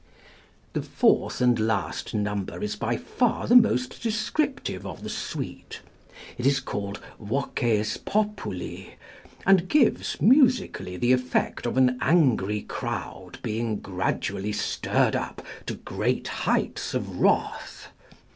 The fourth and last number is by far the most descriptive of the suite; it is called "Voces Populi," and gives, musically, the effect of an angry crowd being gradually stirred up to great heights of wrath.